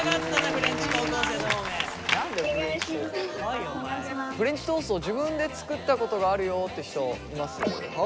フレンチトーストを自分で作ったことがあるよって人います？